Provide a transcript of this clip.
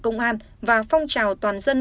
công an và phong trào toàn dân